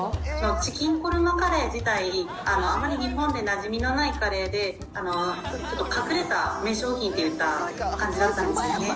チキンコルマカレー自体、あまり日本でなじみのないカレーで、ちょっと隠れた名商品といった感じだったんですよね。